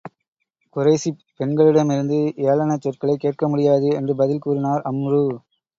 குறைஷிப் பெண்களிடமிருந்து ஏளனச் சொற்களைத் கேட்க முடியாது என்று பதில் கூறினார் அம்ரு.